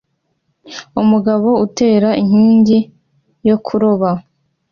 Umugabo utera inkingi yo kuroba